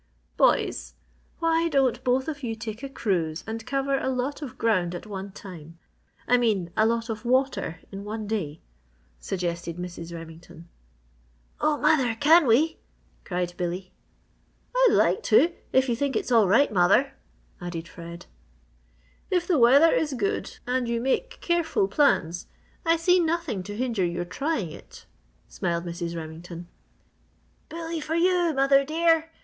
"Boys, why don't both of you take a cruise and cover a lot of ground at one time I mean a lot of water in one day!" suggested Mrs. Remington. "Oh, mother, can we?" cried Billy. "I'd like to, if you think it's all right, mother," added Fred. "If the weather is good and you make careful plans I see nothing to hinder your trying it," smiled Mrs. Remington. "Bully for you, mother dear!